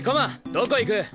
どこ行く。